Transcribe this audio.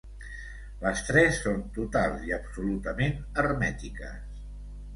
Les tres són totals i absolutament hermètiques.